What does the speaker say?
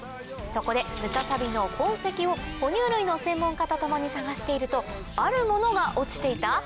そこでムササビの痕跡を哺乳類の専門家と共に探しているとあるものが落ちていた？